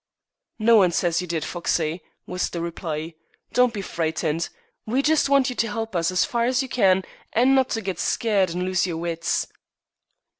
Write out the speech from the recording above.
"No one says you did, Foxey," was the reply. "Don't be frightened. We just want you to help us as far as you can, and not to get skeered and lose your wits."